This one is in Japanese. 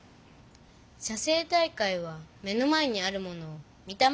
写生大会は目の前にあるものを見た